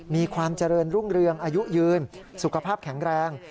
มีความเจริญรุ่งเรืองอายุยืนสุขภาพแข็งแรง